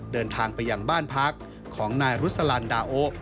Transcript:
เดินทางไปยังบ้านพักของนายรุษลันดาโอ